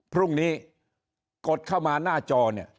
พรุ่งนี้กดเข้ามาหน้าจอ